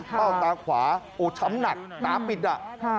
ตาขวาโอ้ช้ำหนักตาปิดอ่ะ